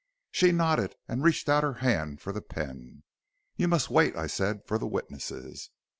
"She nodded, and reached out her hand for the pen. "'You must wait,' said I, 'for the witnesses.'